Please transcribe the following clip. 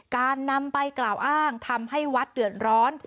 การนำไปกล่าวอ้างทำให้วัดเดือดร้อน